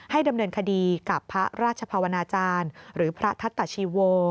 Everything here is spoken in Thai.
ดำเนินคดีกับพระราชภาวนาจารย์หรือพระทัตตชีโว